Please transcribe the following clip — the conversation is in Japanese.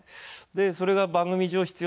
それが番組上必要